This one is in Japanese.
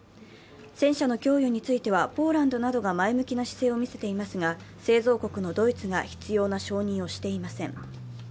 戦車の供与についてはポーランドなどが前向きな姿勢を見せていますが、製造国のドイツが必要な承認をしていません。